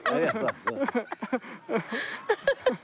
アハハハ。